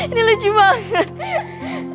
ini lucu banget